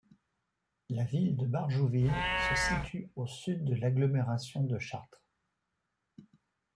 La ville de Barjouville se situe au sud de l'agglomération de Chartres.